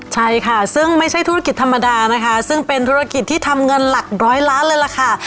ใช่ค่ะซึ่งไม่ใช่ธุรกิจธรรมดานะคะซึ่งเป็นธุรกิจที่ทำเงินหลักร้อยล้านเลยล่ะค่ะ